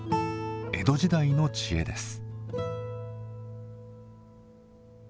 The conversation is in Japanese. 江戸時代の知恵です。